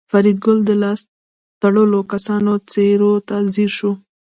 فریدګل د لاس تړلو کسانو څېرو ته ځیر شو